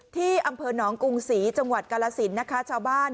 ที่อำเภอหนองกรุงศรีจังหวัดกาลสินนะคะชาวบ้าน